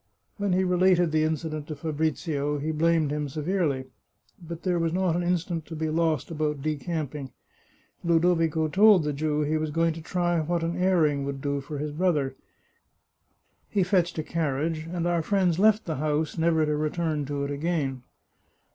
When he related the incident to Fabrizio he blamed him severely. But there was not an instant to be lost about decamping, Ludovico told the Jew he was going to try what an airing would do for his brother. He fetched a carriage, and our friends left the house, never to return to it again.